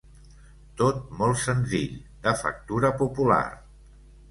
Tot molt senzill, de factura popular.